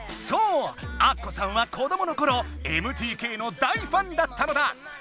⁉そうあっこさんは子どものころ「ＭＴＫ」の大ファンだったのだ。